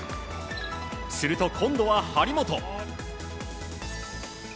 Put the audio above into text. すると、今度は張本。